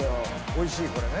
美味しいこれね。